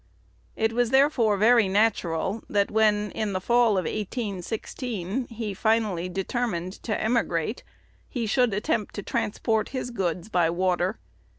It was therefore very natural, that when, in the fall of 1816, he finally determined to emigrate, he should attempt to transport his goods by water.